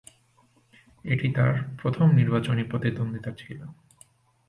এটি তাঁর প্রথম নির্বাচনী প্রতিদ্বন্দ্বিতা ছিল।